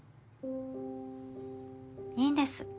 いいんです。